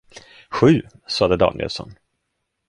Sju, sade Danielsson.